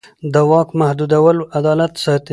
د واک محدودول عدالت ساتي